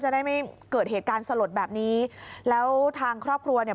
ได้ไม่เกิดเหตุการณ์สลดแบบนี้แล้วทางครอบครัวเนี่ย